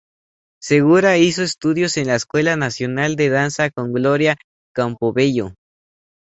Segura hizo estudios en la Escuela Nacional de Danza con Gloria Campobello.